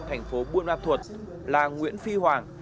thành phố buôn ma thuột là nguyễn phi hoàng